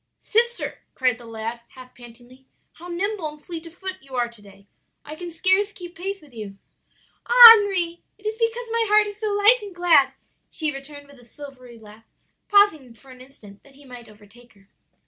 "'Sister,' cried the lad half pantingly, 'how nimble and fleet of foot you are to day! I can scarce keep pace with you.' "'Ah, Henri, it is because my heart is so light and glad!' she returned with a silvery laugh, pausing for an instant that he might overtake her.